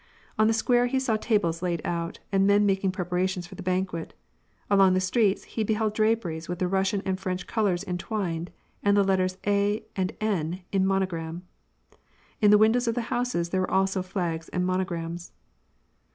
On the square, he saw tables laid out, and men making preparations for the banquet; along the streets, he beheld draperies with the Russian and French colors entwined, and the letters A. and N. in monogram. In the windows of the houses there were also flags and monograms.